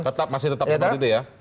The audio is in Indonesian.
tetap masih tetap seperti itu ya